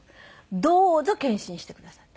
どうぞ検診してくださいって。